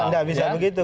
nggak bisa begitu